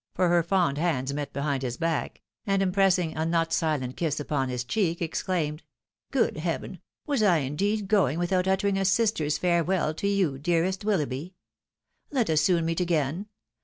— ^for her fond hands met behind Ins back — and im pressing a not silent kiss upon his cheek, exclaimed, " Good heaven ! was I indeed going without uttering a sister's farewell to you, dearest Willoughby ? Let us soon meet again.